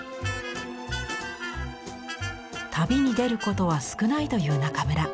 旅に出ることは少ないという中村。